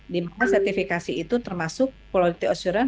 di mana sertifikasi itu termasuk poliosteosin